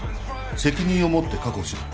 責任を持って確保しろ。